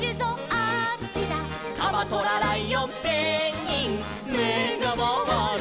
「カバトラライオンペンギンめがまわる」